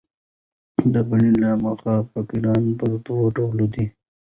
د بڼي له مخه فقره پر دوه ډوله ده.